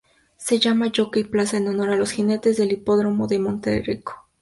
Se llama Jockey Plaza en honor a los jinetes del Hipódromo de Monterrico.